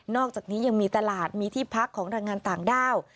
อกจากนี้ยังมีตลาดมีที่พักของแรงงานต่างด้าว